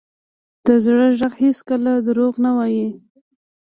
د زړه ږغ هېڅکله دروغ نه وایي.